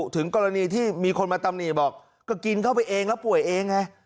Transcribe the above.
ถึงกรณีที่มีคนมาตำหนิบอกก็กินเข้าไปเองแล้วป่วยเองไง